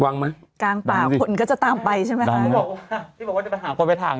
วังมากลางปลาคนก็จะตามไปใช่ไหมครับกัลมีปะคุณบอกว่าจะไปหาคนไปถ่าง